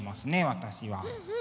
私は。